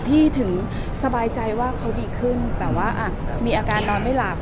ถึงสบายใจว่าเขาดีขึ้นแต่ว่ามีอาการนอนไม่หลับ